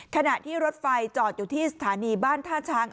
ขณะที่รถไฟจอดอยู่ที่สถานีบ้านท่าช้าง